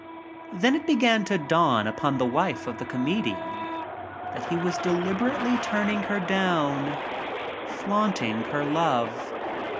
Then it began to dawn upon the wife of the comedian that he was deliberately turning her down — flauting her love.